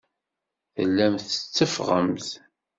Tellamt tetteffɣemt.